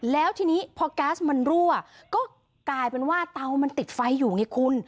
แล้วทีนี้พอก๊าซมันรั่วก็กลายเป็นว่าเตามันติดไฟอยู่ไงคุณ